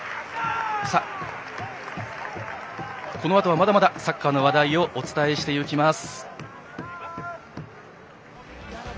このあとはまだまだサッカーの話題をお伝えしていきます。